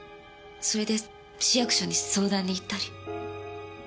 それで市役所に相談に行ったり。